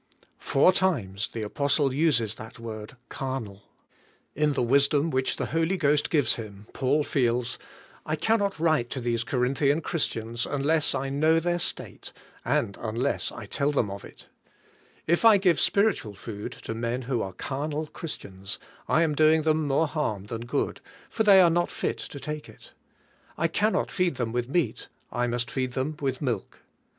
Four times the apostle uses that word carnal. In the wisdom wbich the Holy Ghost gives him, Paul feels: — I ci^n not write to these Corinthian Christians unless I know their state, and unless I tell them of it. If I give spiritual 7 8 CARNAL CHRISTIANS food to men who are carnal Christians, I am doing them more harm than good, for they are not fit to take it. I cannot feed them with meat, I must feed them with milk.